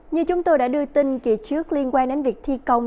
như chúng tôi đã đưa tin kỳ trước liên quan đến việc thi công